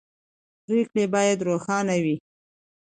پرېکړې باید روښانه وي